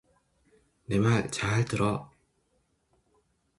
내 말 잘 들어.